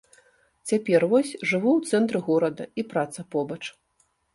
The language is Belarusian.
Цяпер вось жыву ў цэнтры горада, і праца побач.